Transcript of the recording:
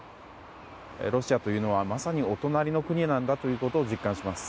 ロシアというのはまさにお隣の国なんだということを実感します。